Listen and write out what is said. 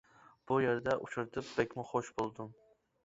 بۇ يەردە ئۇچرىتىپ بەكمۇ خوش بولدۇم.